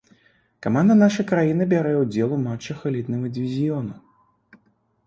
Каманда нашай краіны бярэ ўдзел у матчах элітнага дывізіёну.